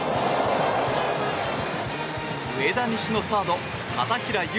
上田西のサード、片平結